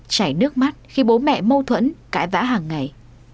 chảy nước mắt khi bố mẹ mâu thuẫn cãi vã hàng ngày